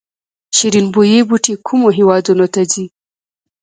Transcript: شیرین بویې بوټی کومو هیوادونو ته ځي؟